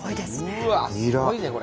うわっすごいねこれ。